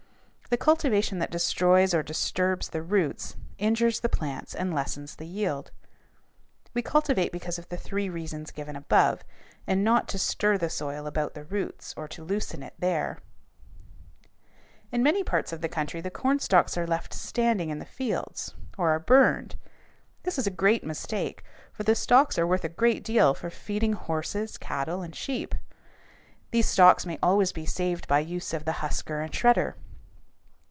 The cultivation that destroys or disturbs the roots injures the plants and lessens the yield. We cultivate because of the three reasons given above, and not to stir the soil about the roots or to loosen it there. [Illustration: FIG. 201.] In many parts of the country the cornstalks are left standing in the fields or are burned. This is a great mistake, for the stalks are worth a good deal for feeding horses, cattle, and sheep. These stalks may always be saved by the use of the husker and shredder.